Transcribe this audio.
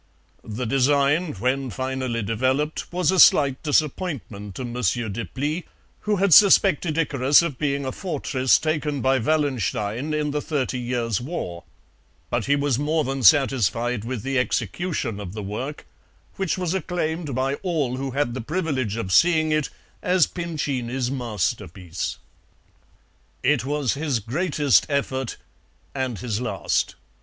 The design, when finally developed, was a slight disappointment to Monsieur Deplis, who had suspected Icarus of being a fortress taken by Wallenstein in the Thirty Years' War, but he was more than satisfied with the execution of the work, which was acclaimed by all who had the privilege of seeing it as Pincini's masterpiece. "It was his greatest effort, and his last.